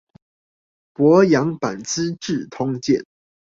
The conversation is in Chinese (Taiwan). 柏楊版資治通鑑